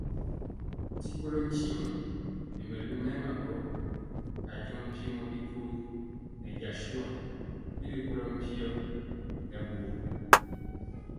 Ti kolɔ ntimɔ nɛ mɛlu mɛɛma gɔ ajeŋg mpiemɔ bijogi nɛ jasua y rikolɔ mpio nɛ bori.